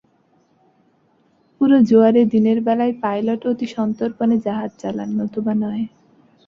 পুরো জোয়ারে, দিনের বেলায় পাইলট অতি সন্তর্পণে জাহাজ চালান, নতুবা নয়।